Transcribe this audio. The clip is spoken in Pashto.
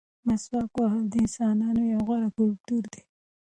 مسواک وهل د مسلمانانو یو غوره کلتور دی.